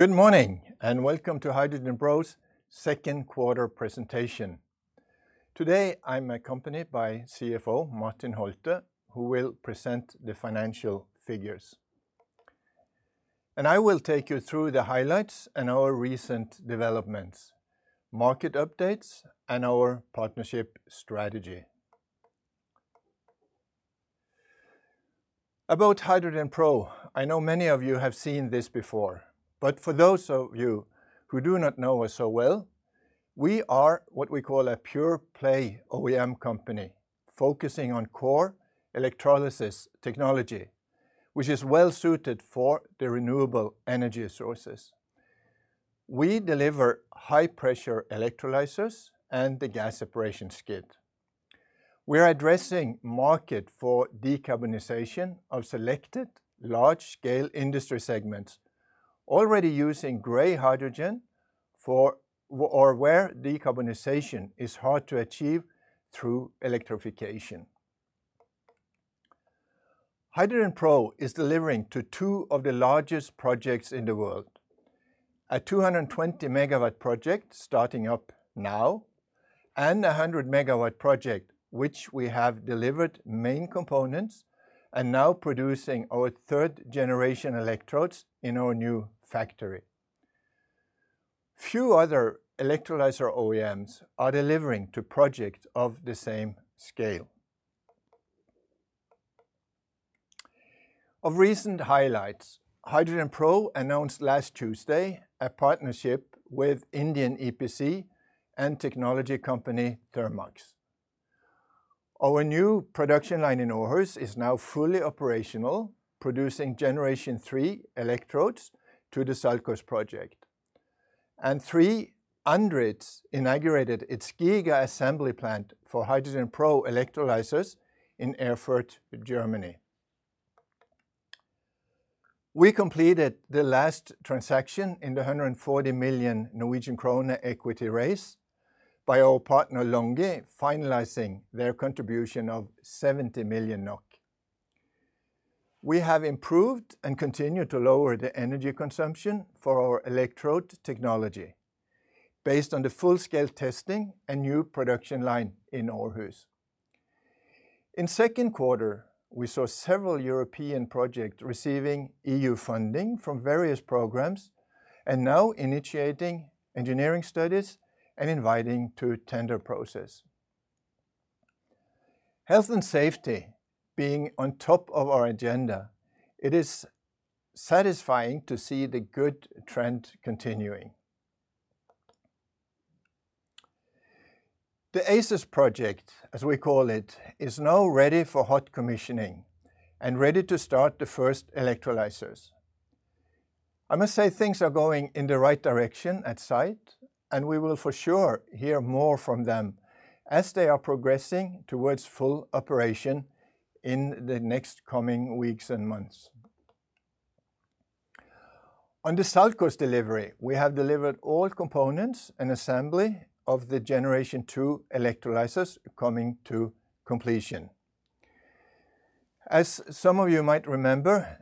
Good morning and welcome to HydrogenPro's Second Quarter Presentation. Today, I'm accompanied by CFO Martin Holtet, who will present the financial figures. I will take you through the highlights and our recent developments, market updates, and our partnership strategy. About HydrogenPro, I know many of you have seen this before, but for those of you who do not know us so well, we are what we call a pure-play OEM company, focusing on core electrolysis technology, which is well suited for the renewable energy sources. We deliver high-pressure electrolyzers and the gas separation skid. We are addressing the market for decarbonization of selected large-scale industry segments, already using grey hydrogen or where decarbonization is hard to achieve through electrification. HydrogenPro is delivering to two of the largest projects in the world: a 220-MW project starting up now and a 100-MW project, which we have delivered main components and now producing our 3rd Generation electrodes in our new factory. Few other electrolyzer OEMs are delivering to projects of the same scale. Of recent highlights, HydrogenPro announced last Tuesday a partnership with Indian EPC and technology company Thermax. Our new production line in Aarhus is now fully operational, producing Generation III electrodes to the SALCOS project. ANDRITZ inaugurated its giga assembly plant for HydrogenPro electrolyzers in Erfurt, Germany. We completed the last transaction in the 140 million Norwegian krone equity raise by our partner LONGi, finalizing their contribution of 70 million NOK. We have improved and continue to lower the energy consumption for our electrode technology, based on the full-scale testing and new production line in Aarhus. In the second quarter, we saw several European projects receiving EU funding from various programs and now initiating engineering studies and inviting to the tender process. Health and safety being on top of our agenda, it is satisfying to see the good trend continuing. The ACES project, as we call it, is now ready for hot commissioning and ready to start the first electrolyzers. I must say things are going in the right direction at site, and we will for sure hear more from them as they are progressing towards full operation in the next coming weeks and months. On the SALCOS delivery, we have delivered all components and assembly of the Generation II electrolyzers coming to completion. As some of you might remember,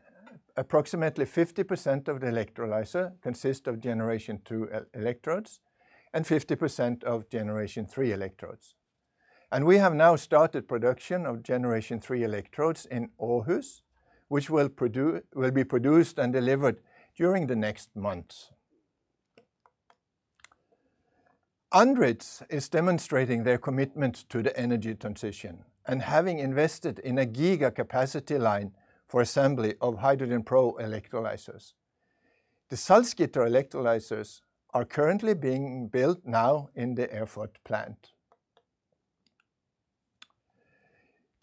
approximately 50% of the electrolyzer consists of Generation II electrodes and 50% of Generation III electrodes. We have now started production of Generation III electrodes in Aarhus, which will be produced and delivered during the next months. ANDRITZ is demonstrating their commitment to the energy transition and having invested in a giga capacity line for assembly of HydrogenPro electrolyzers. The Salzgitter electrolyzers are currently being built now in the Erfurt plant.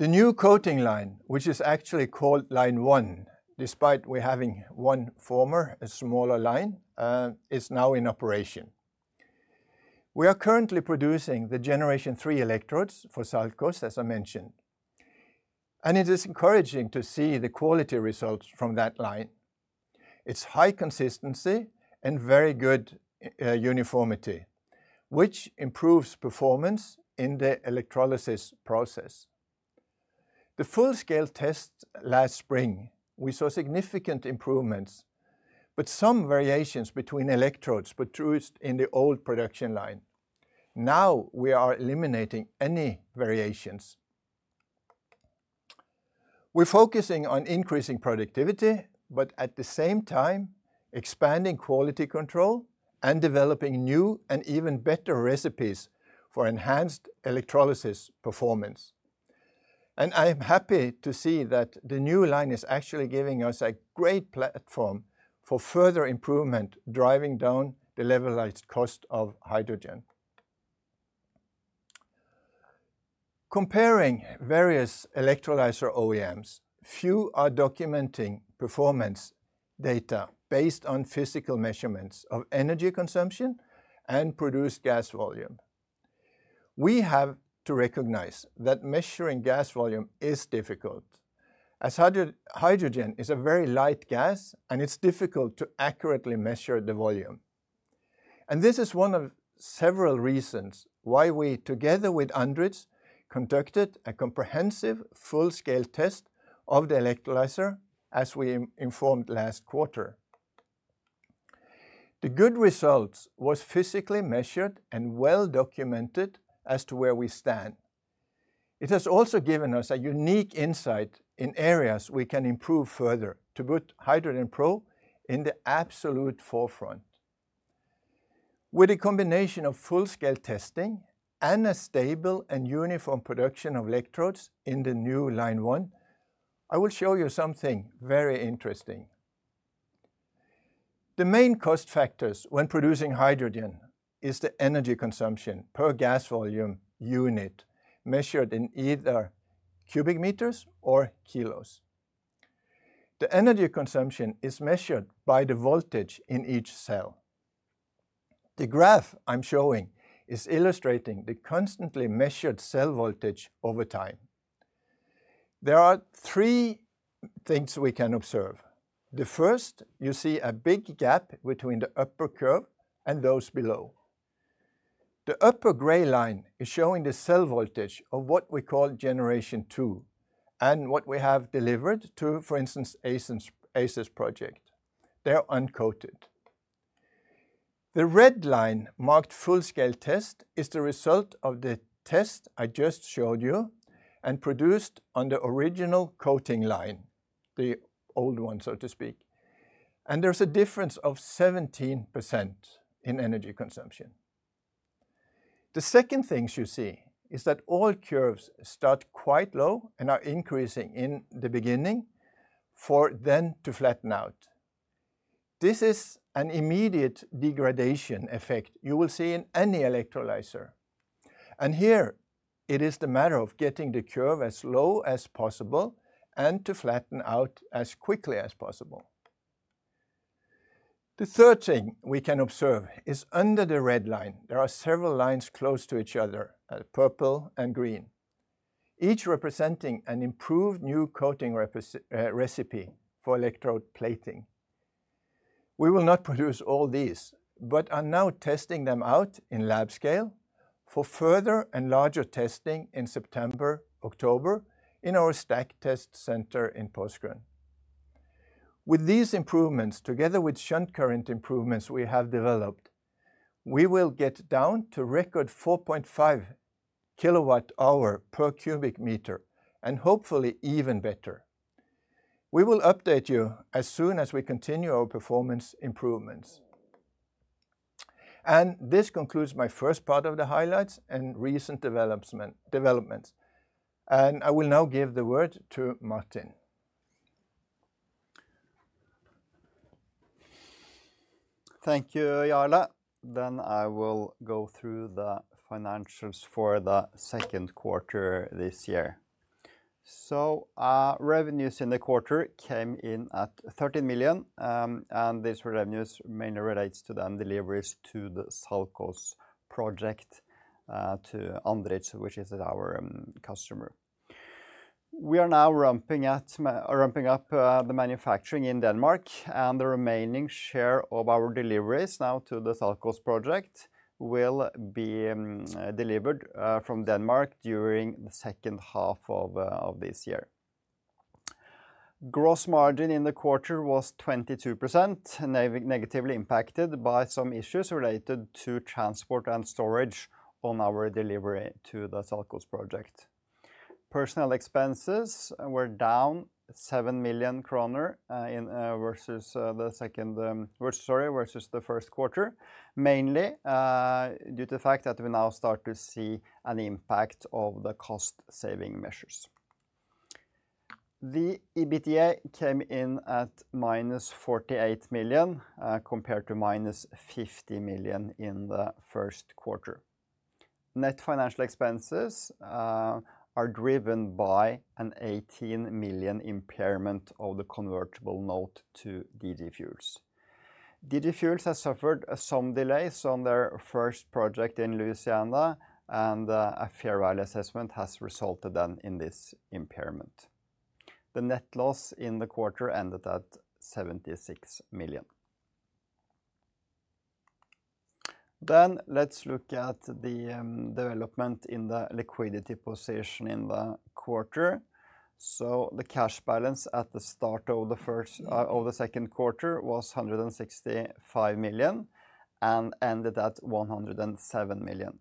The new coating line, which is actually called line one, despite having one former smaller line, is now in operation. We are currently producing the Generation III electrodes for SALCOS, as I mentioned. It is encouraging to see the quality results from that line. It's high consistency and very good uniformity, which improves performance in the electrolysis process. The full-scale test last spring, we saw significant improvements, but some variations between electrodes produced in the old production line. Now we are eliminating any variations. We're focusing on increasing productivity, but at the same time, expanding quality control and developing new and even better recipes for enhanced electrolysis performance. I'm happy to see that the new line is actually giving us a great platform for further improvement, driving down the levelized cost of hydrogen. Comparing various electrolyzer OEMs, few are documenting performance data based on physical measurements of energy consumption and produced gas volume. We have to recognize that measuring gas volume is difficult, as hydrogen is a very light gas and it's difficult to accurately measure the volume. This is one of several reasons why we, together with ANDRITZ, conducted a comprehensive full-scale test of the electrolyzer as we informed last quarter. The good result was physically measured and well documented as to where we stand. It has also given us a unique insight in areas we can improve further to put HydrogenPro in the absolute forefront. With a combination of full-scale testing and a stable and uniform production of electrodes in the new line one, I will show you something very interesting. The main cost factors when producing hydrogen are the energy consumption per gas volume unit, measured in either cubic meters or kilos. The energy consumption is measured by the voltage in each cell. The graph I'm showing is illustrating the constantly measured cell voltage over time. There are three things we can observe. The first, you see a big gap between the upper curve and those below. The upper gray line is showing the cell voltage of what we call Generation II, and what we have delivered to, for instance, ACES project. They're uncoated. The red line marked full-scale test is the result of the test I just showed you and produced on the original coating line, the old one, so to speak. There's a difference of 17% in energy consumption. The second thing you see is that all curves start quite low and are increasing in the beginning for them to flatten out. This is an immediate degradation effect you will see in any electrolyzer. Here, it is the matter of getting the curve as low as possible and to flatten out as quickly as possible. The third thing we can observe is under the red line. There are several lines close to each other, purple and green, each representing an improved new coating recipe for electrode plating. We will not produce all these, but are now testing them out in lab scale for further and larger testing in September, October, in our stack test center in Porsgrunn. With these improvements, together with shunt current improvements we have developed, we will get down to record 4.5 kWh/m³ and hopefully even better. We will update you as soon as we continue our performance improvements. This concludes my first part of the highlights and recent developments. I will now give the word to Martin. Thank you, Jarle. I will go through the financials for the second quarter this year. Revenues in the quarter came in at 13 million, and these revenues mainly relate to the deliveries to the SALCOS project, to ANDRITZ, which is our customer. We are now ramping up the manufacturing in Denmark, and the remaining share of our deliveries to the SALCOS project will be delivered from Denmark during the second half of this year. Gross margin in the quarter was 22%, negatively impacted by some issues related to transport and storage on our delivery to the SALCOS project. Personnel expenses were down 7 million kroner versus the first quarter, mainly due to the fact that we now start to see an impact of the cost-saving measures. The EBITDA came in at -48 million, compared to -50 million in the first quarter. Net financial expenses are driven by an 18 million impairment of the convertible note to DG Fuels. DG Fuels has suffered some delays on their first project in Louisiana, and a fair value assessment has resulted in this impairment. The net loss in the quarter ended at 76 million. Let's look at the development in the liquidity position in the quarter. The cash balance at the start of the second quarter was 165 million and ended at 107 million.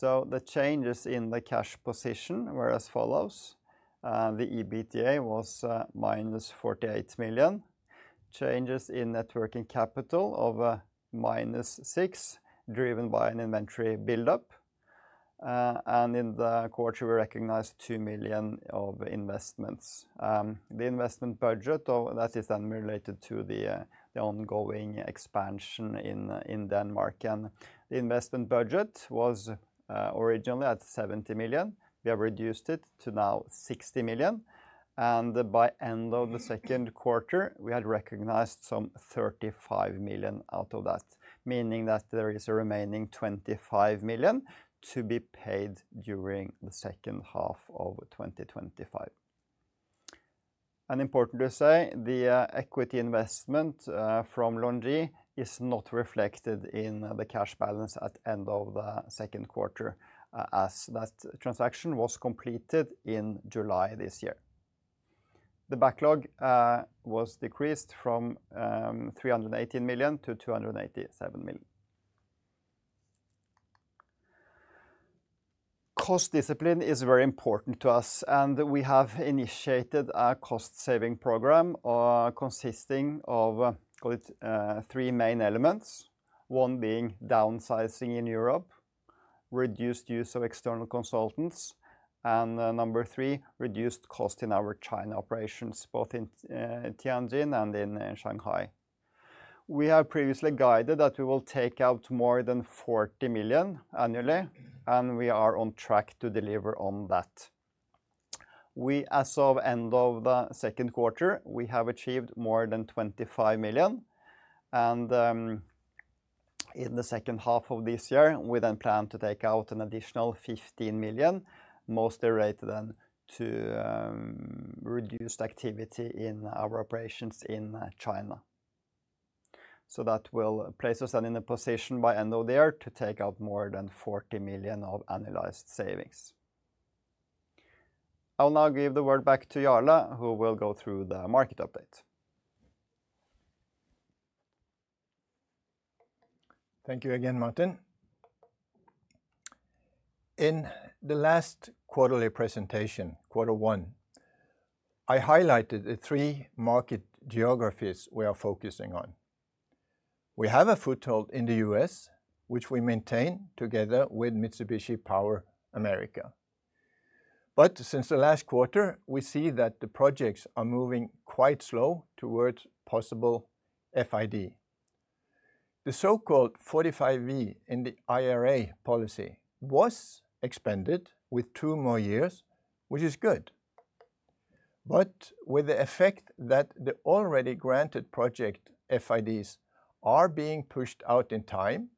The changes in the cash position were as follows: the EBITDA was -48 million, changes in net working capital of -6 million, driven by an inventory buildup, and in the quarter, we recognized 2 million of investments. The investment budget is related to the ongoing expansion in Denmark, and the investment budget was originally at 70 million. We have reduced it to 60 million. By the end of the second quarter, we had recognized some 35 million out of that, meaning that there is a remaining 25 million to be paid during the second half of 2025. It is important to say the equity investment from LONGi is not reflected in the cash balance at the end of the second quarter, as that transaction was completed in July this year. The backlog was decreased from 318 million to 287 million. Cost discipline is very important to us, and we have initiated a cost-saving program consisting of three main elements: one being downsizing in Europe, reduced use of external consultants, and number three, reduced costs in our China operations, both in Tianjin and in Shanghai. We have previously guided that we will take out more than 40 million annually, and we are on track to deliver on that. As of the end of the second quarter, we have achieved more than 25 million. In the second half of this year, we plan to take out an additional 15 million, mostly related to reduced activity in our operations in China. That will place us in a position by the end of the year to take out more than 40 million of annualized savings. I will now give the word back to Jarle, who will go through the market update. Thank you again, Martin. In the last quarterly presentation, quarter one, I highlighted the three market geographies we are focusing on. We have a foothold in the U.S., which we maintain together with Mitsubishi Power Americas. Since the last quarter, we see that the projects are moving quite slow towards possible FID. The so-called 45V in the IRA policy was expanded with two more years, which is good, with the effect that the already granted project FIDs are being pushed out in time,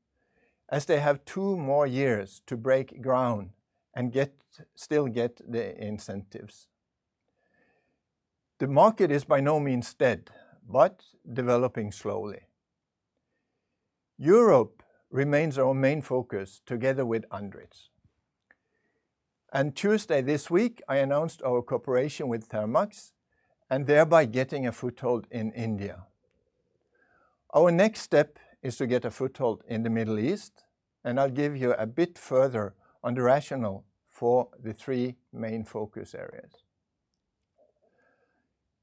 as they have two more years to break ground and still get the incentives. The market is by no means dead, but developing slowly. Europe remains our main focus together with ANDRITZ. Tuesday this week, I announced our cooperation with Thermax, and thereby getting a foothold in India. Our next step is to get a foothold in the Middle East, and I'll give you a bit further on the rationale for the three main focus areas.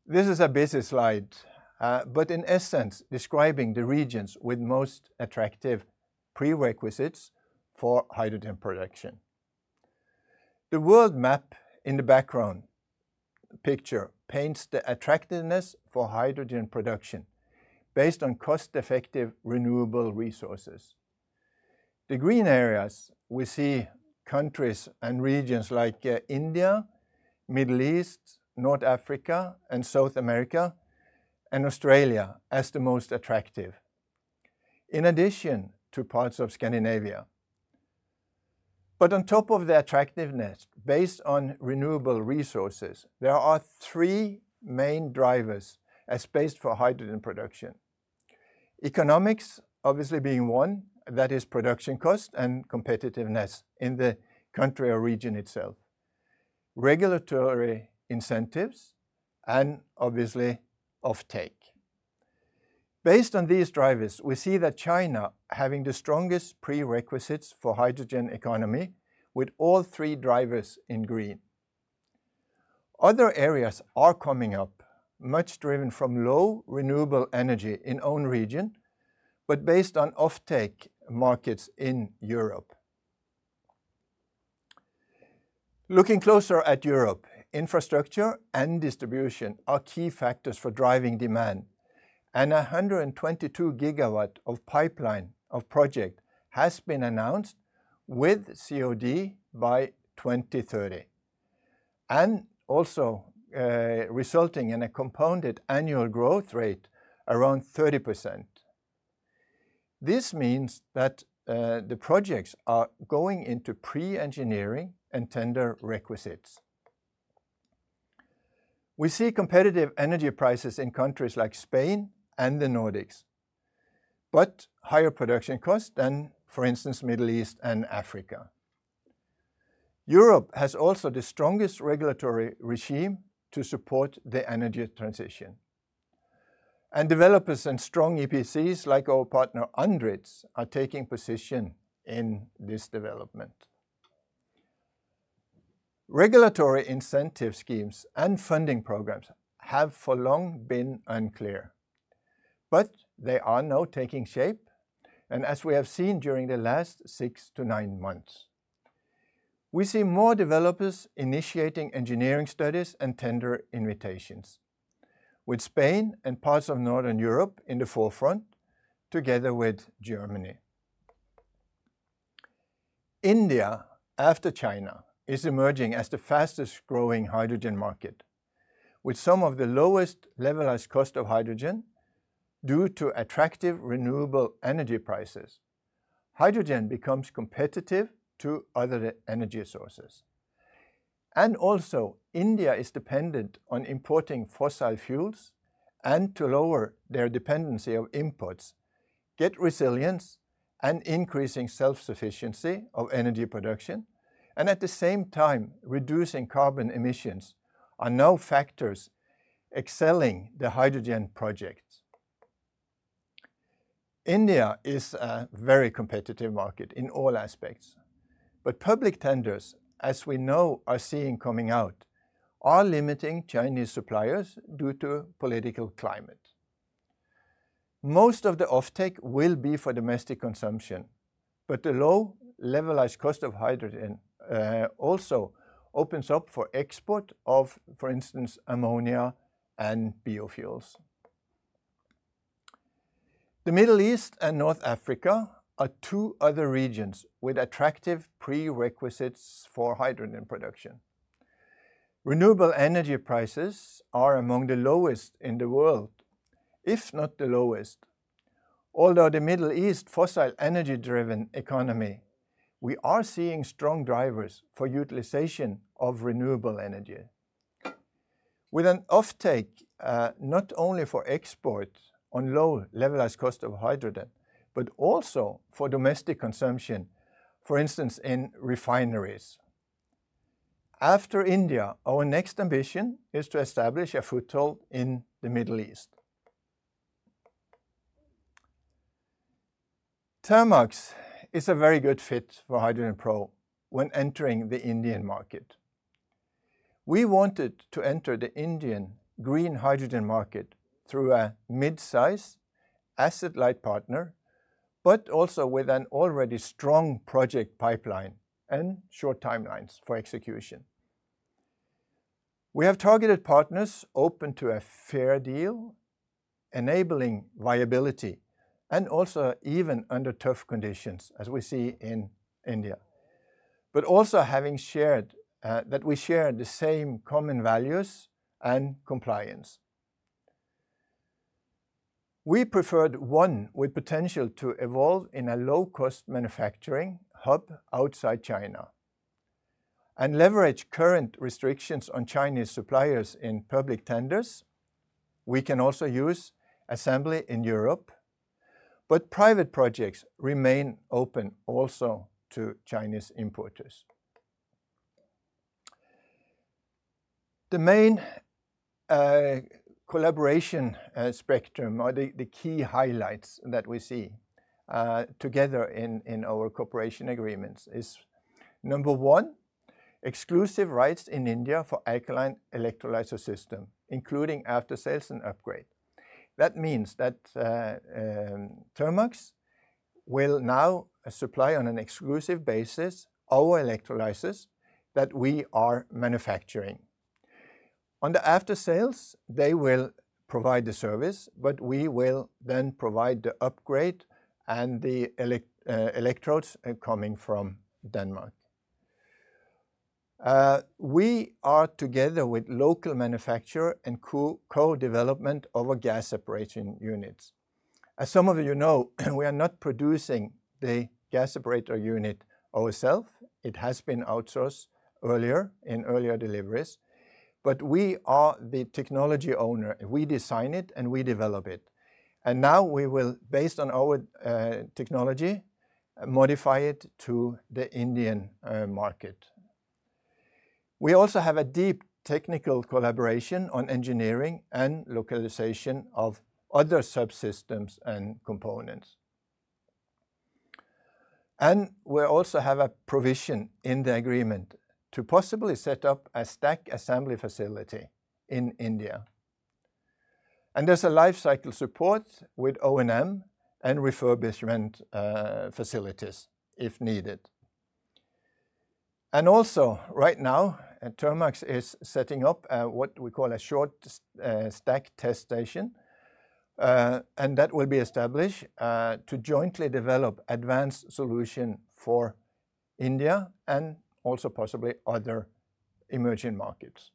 This is a busy slide, but in essence, describing the regions with most attractive prerequisites for hydrogen production. The world map in the background picture paints the attractiveness for hydrogen production based on cost-effective renewable resources. The green areas, we see countries and regions like India, Middle East, North Africa, South America, and Australia as the most attractive, in addition to parts of Scandinavia. On top of the attractiveness based on renewable resources, there are three main drivers as space for hydrogen production. Economics, obviously being one, that is production cost and competitiveness in the country or region itself, regulatory incentives, and obviously off-take. Based on these drivers, we see that China is having the strongest prerequisites for the hydrogen economy with all three drivers in green. Other areas are coming up, much driven from low renewable energy in the own region, but based on off-take markets in Europe. Looking closer at Europe, infrastructure and distribution are key factors for driving demand. A 122 GW pipeline project has been announced with COD by 2030, also resulting in a compounded annual growth rate around 30%. This means that the projects are going into pre-engineering and tender requisites. We see competitive energy prices in countries like Spain and the Nordics, but higher production costs than, for instance, the Middle East and Africa. Europe has also the strongest regulatory regime to support the energy transition. Developers and strong EPCs like our partner ANDRITZ are taking position in this development. Regulatory incentive schemes and funding programs have for long been unclear, but they are now taking shape, and as we have seen during the last six to nine months, we see more developers initiating engineering studies and tender invitations, with Spain and parts of Northern Europe in the forefront, together with Germany. India, after China, is emerging as the fastest growing hydrogen market. With some of the lowest levelized cost of hydrogen, due to attractive renewable energy prices, hydrogen becomes competitive to other energy sources. India is dependent on importing fossil fuels, and to lower their dependency of imports, get resilience and increasing self-sufficiency of energy production, and at the same time, reducing carbon emissions are now factors excelling the hydrogen projects. India is a very competitive market in all aspects. Public tenders, as we know, are seeing coming out, are limiting Chinese suppliers due to political climate. Most of the off-take will be for domestic consumption, but the low levelized cost of hydrogen also opens up for export of, for instance, ammonia and biofuels. The Middle East and North Africa are two other regions with attractive prerequisites for hydrogen production. Renewable energy prices are among the lowest in the world, if not the lowest. Although the Middle East is a fossil energy-driven economy, we are seeing strong drivers for utilization of renewable energy. With an off-take not only for exports on low levelized cost of hydrogen, but also for domestic consumption, for instance, in refineries. After India, our next ambition is to establish a foothold in the Middle East. Thermax is a very good fit for HydrogenPro when entering the Indian market. We wanted to enter the Indian green hydrogen market through a mid-sized, asset-light partner, but also with an already strong project pipeline and short timelines for execution. We have targeted partners open to a fair deal, enabling viability, and also even under tough conditions, as we see in India. Also having shared that we share the same common values and compliance. We preferred one with the potential to evolve in a low-cost manufacturing hub outside China. Leveraging current restrictions on Chinese suppliers in public tenders, we can also use assembly in Europe, but private projects remain open also to Chinese importers. The main collaboration spectrum or the key highlights that we see together in our cooperation agreements is, number one, exclusive rights in India for the alkaline electrolyzer system, including after-sales and upgrade. That means that Thermax will now supply on an exclusive basis our electrolyzers that we are manufacturing. On the after-sales, they will provide the service, but we will then provide the upgrade and the electrodes coming from Denmark. We are together with local manufacturers and co-development of our gas separation units. As some of you know, we are not producing the gas separator unit ourselves, it has been outsourced earlier in earlier deliveries. We are the technology owner. We design it and we develop it. Now we will, based on our technology, modify it to the Indian market. We also have a deep technical collaboration on engineering and localization of other subsystems and components. We also have a provision in the agreement to possibly set up a stack assembly facility in India. There is a lifecycle support with O&M and refurbishment facilities if needed. Right now, Thermax is setting up what we call a short stack test station, and that will be established to jointly develop an advanced solution for India and also possibly other emerging markets.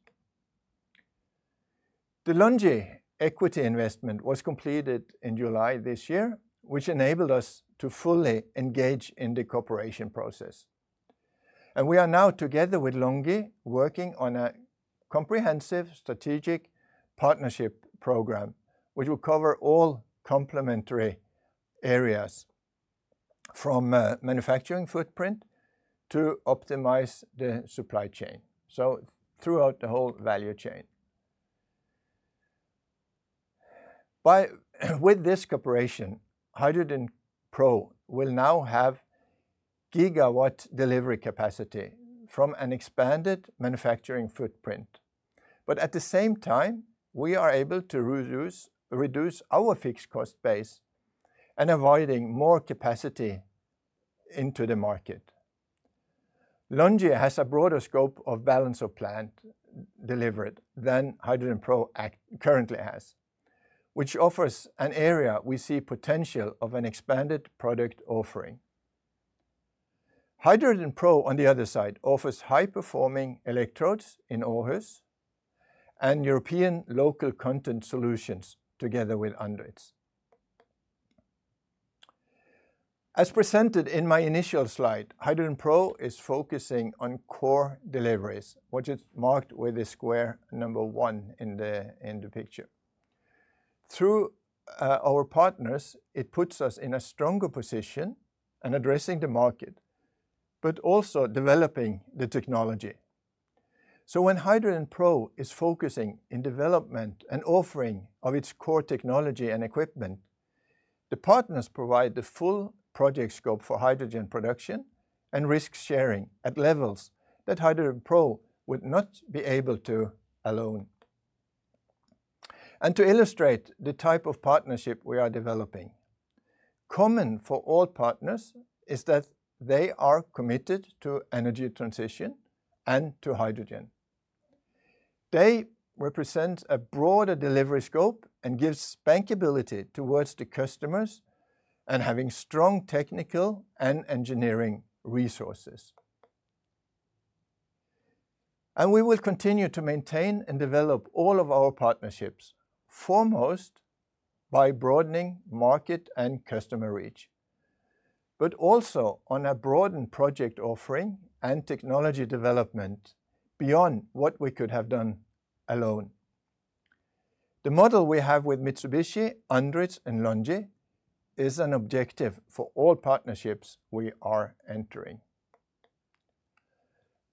The LONGi equity investment was completed in July this year, which enabled us to fully engage in the cooperation process. We are now together with LONGi working on a comprehensive strategic partnership program, which will cover all complementary areas, from manufacturing footprint to optimize the supply chain, throughout the whole value chain. With this cooperation, HydrogenPro will now have gigawatt delivery capacity from an expanded manufacturing footprint. At the same time, we are able to reduce our fixed cost base and avoid more capacity into the market. LONGi has a broader scope of balance of plants delivered than HydrogenPro currently has, which offers an area we see the potential of an expanded product offering. HydrogenPro, on the other side, offers high-performing electrodes in Aarhus and European local content solutions together with ANDRITZ. As presented in my initial slide, HydrogenPro is focusing on core deliveries, which is marked with a square number one in the picture. Through our partners, it puts us in a stronger position in addressing the market, but also developing the technology. When HydrogenPro is focusing on development and offering of its core technology and equipment, the partners provide the full project scope for hydrogen production and risk sharing at levels that HydrogenPro would not be able to alone. To illustrate the type of partnership we are developing, common for all partners is that they are committed to energy transition and to hydrogen. They represent a broader delivery scope and give bankability towards the customers and have strong technical and engineering resources. We will continue to maintain and develop all of our partnerships, foremost by broadening market and customer reach, but also on a broadened project offering and technology development beyond what we could have done alone. The model we have with Mitsubishi, ANDRITZ, and LONGi is an objective for all partnerships we are entering.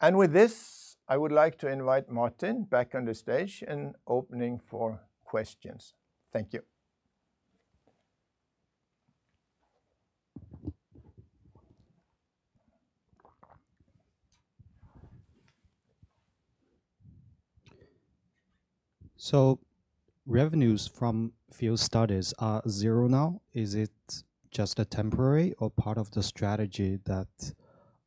With this, I would like to invite Martin back on the stage and open for questions. Thank you. Revenues from FEED studies are zero now. Is it just a temporary or part of the strategy that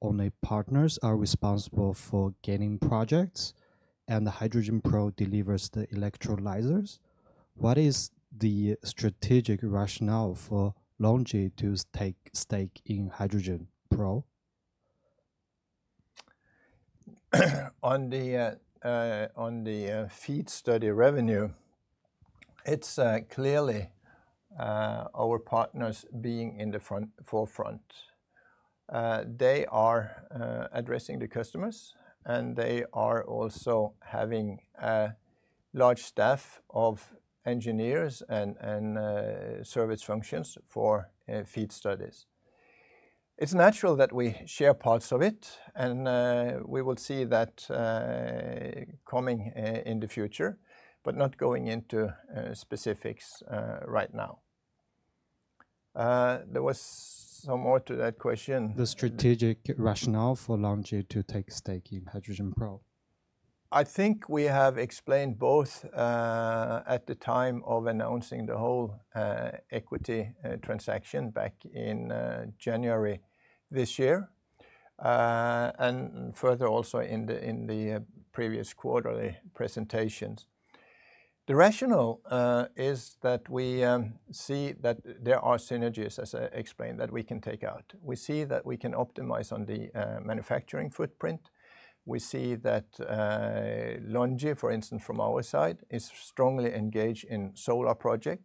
only partners are responsible for gaining projects and HydrogenPro delivers the electrolyzers? What is the strategic rationale for LONGi to take stake in HydrogenPro? On the FEED study revenue, it's clearly our partners being in the forefront. They are addressing the customers, and they are also having a large staff of engineers and service functions for field studies. It's natural that we share parts of it, and we will see that coming in the future, but not going into specifics right now. There was some more to that question. The strategic rationale for LONGi to take stake in HydrogenPro? I think we have explained both at the time of announcing the whole equity transaction back in January this year, and further also in the previous quarterly presentations. The rationale is that we see that there are synergies, as I explained, that we can take out. We see that we can optimize on the manufacturing footprint. We see that LONGi, for instance, from our side, is strongly engaged in solar projects,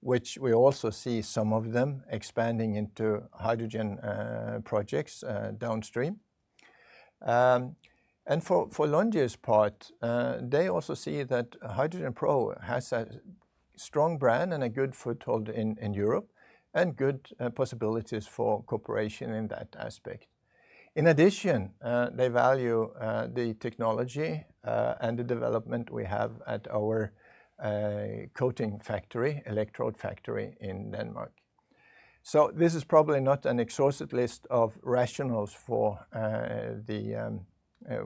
which we also see some of them expanding into hydrogen projects downstream. For LONGi's part, they also see that HydrogenPro has a strong brand and a good foothold in Europe and good possibilities for cooperation in that aspect. In addition, they value the technology and the development we have at our coating factory, electrode factory in Denmark. This is probably not an exhaustive list of rationales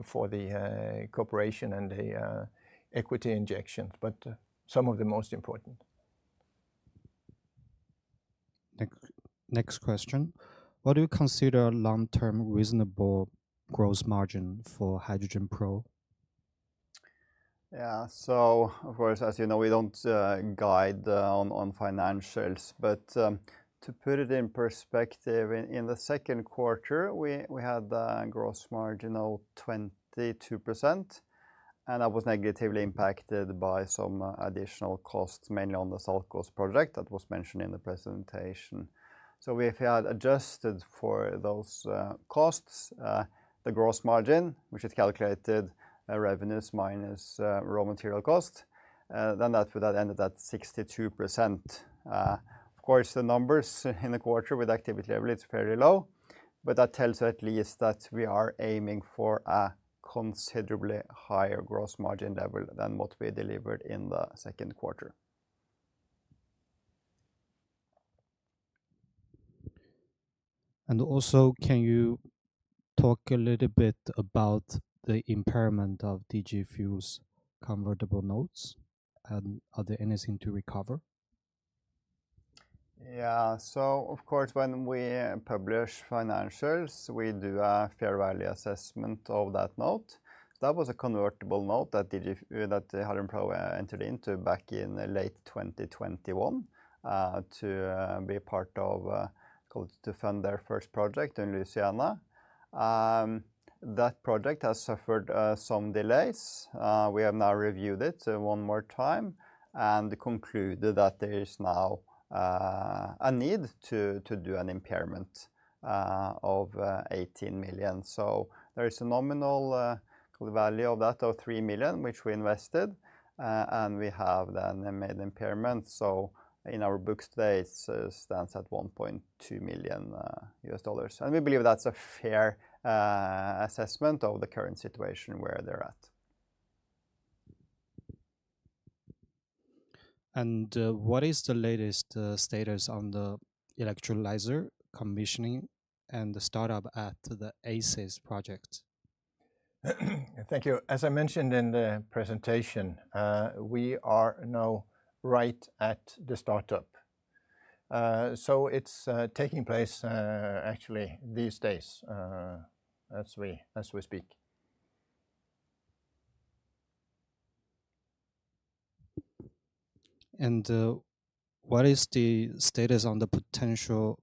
for the cooperation and the equity injections, but some of the most important. Next question. What do you consider a long-term reasonable gross margin for HydrogenPro? Yeah, of course, as you know, we don't guide on financials, but to put it in perspective, in the second quarter, we had a gross margin of 22%, and that was negatively impacted by some additional costs, mainly on the SALCOS project that was mentioned in the presentation. If you had adjusted for those costs, the gross margin, which is calculated revenues minus raw material costs, then that would have ended at 62%. Of course, the numbers in the quarter with activity level, it's very low, but that tells you at least that we are aiming for a considerably higher gross margin level than what we delivered in the second quarter. Can you talk a little bit about the impairment of DG Fuels convertible notes? Are there anything to recover? Yeah, so of course, when we publish financials, we do a fair value assessment of that note. That was a convertible note that DG Fuels entered into back in late 2021 to be part of, call it, to fund their first project in Louisiana. That project has suffered some delays. We have now reviewed it one more time and concluded that there is now a need to do an impairment of 18 million. There is a nominal value of that of 3 million, which we invested, and we have then made an impairment. In our books today, it stands at $1.2 million. We believe that's a fair assessment of the current situation where they're at. What is the latest status on the electrolyzer commissioning and the startup at the ACES project? Thank you. As I mentioned in the presentation, we are now right at the startup. It's taking place actually these days as we speak. What is the status on the potential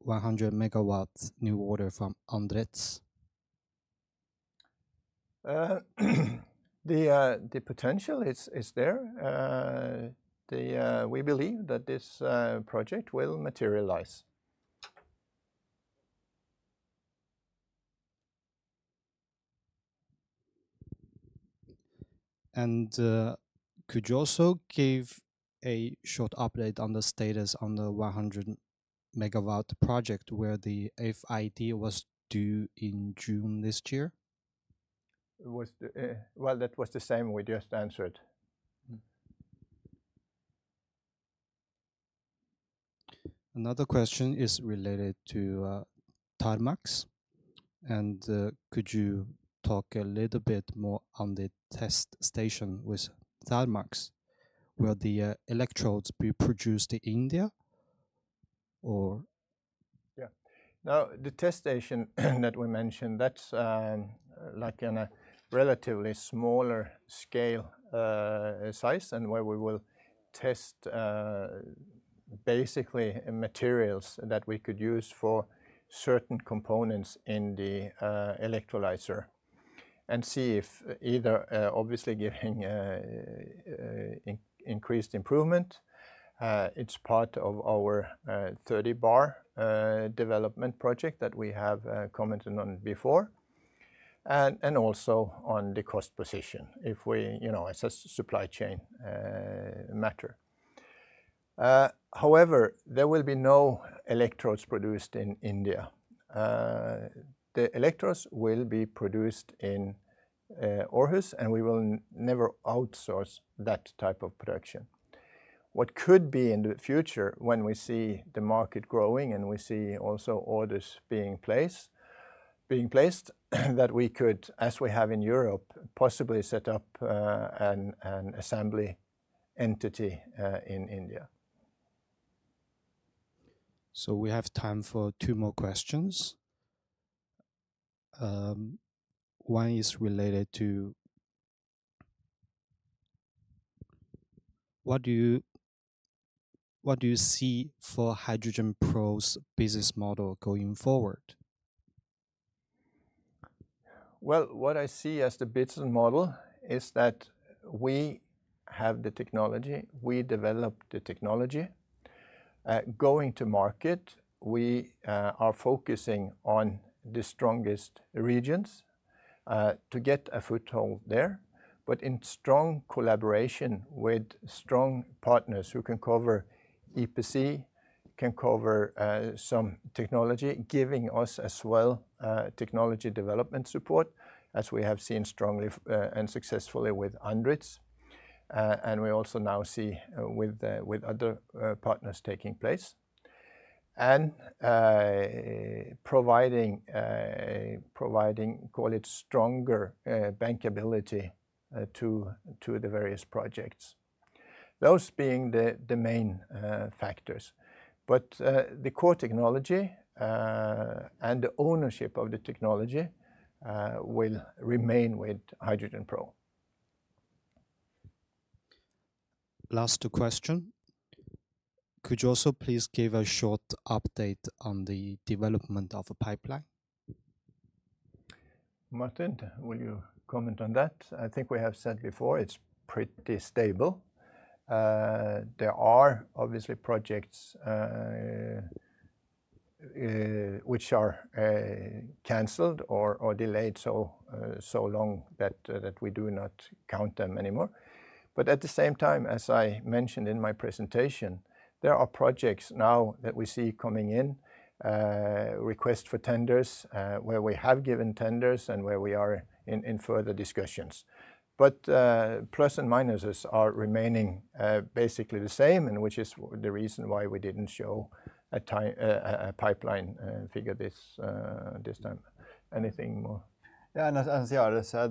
100 MW new order from ANDRITZ? The potential is there. We believe that this project will materialize. Could you also give a short update on the status of the 100 MW project where the FID was due in June this year? That was the same we just answered. Another question is related to Thermax. Could you talk a little bit more on the test station with Thermax? Will the electrodes be produced in India? Yeah. Now, the test station that we mentioned, that's in a relatively smaller scale size where we will test basically materials that we could use for certain components in the electrolyzer and see if either obviously giving increased improvement. It's part of our 30 bar development project that we have commented on before and also on the cost position if we, you know, as a supply chain matter. However, there will be no electrodes produced in India. The electrodes will be produced in Aarhus, and we will never outsource that type of production. What could be in the future when we see the market growing and we see also orders being placed, that we could, as we have in Europe, possibly set up an assembly entity in India. We have time for two more questions. One is related to what do you see for HydrogenPro's business model going forward? What I see as the business model is that we have the technology, we develop the technology. Going to market, we are focusing on the strongest regions to get a foothold there, in strong collaboration with strong partners who can cover EPC, can cover some technology, giving us as well technology development support, as we have seen strongly and successfully with ANDRITZ. We also now see with other partners taking place and providing, call it, stronger bankability to the various projects. Those being the main factors. The core technology and the ownership of the technology will remain with HydrogenPro. Last two questions. Could you also please give a short update on the development of a pipeline? Martin, will you comment on that? I think we have said before, it's pretty stable. There are obviously projects which are canceled or delayed so long that we do not count them anymore. At the same time, as I mentioned in my presentation, there are projects now that we see coming in, requests for tenders, where we have given tenders and where we are in further discussions. Plus and minuses are remaining basically the same, which is the reason why we didn't show a pipeline figure this time. Anything more? Yeah, and as Jarle said,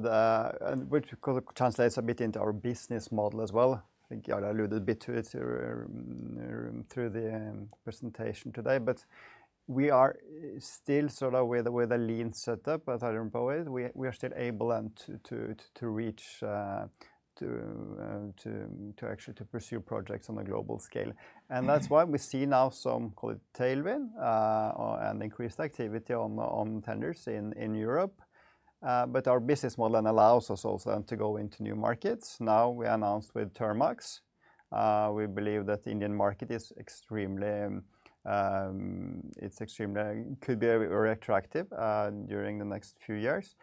which translates a bit into our business model as well. I think Jarle alluded a bit to it through the presentation today, but we are still sort of with a lean setup at HydrogenPro. We are still able to reach, to actually pursue projects on a global scale. That is why we see now some, call it, tailwind and increased activity on tenders in Europe. Our business model allows us also to go into new markets. Now we announced with Thermax. We believe that the Indian market could be very attractive during the next few years,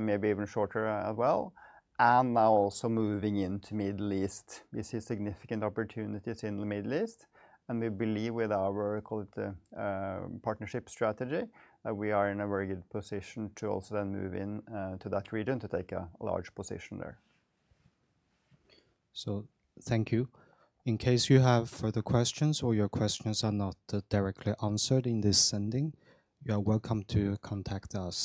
maybe even shorter as well. Now also moving into the Middle East, we see significant opportunities in the Middle East. We believe with our, call it, partnership strategy, that we are in a very good position to also then move into that region to take a large position there. Thank you. In case you have further questions or your questions are not directly answered in this sending, you are welcome to contact us.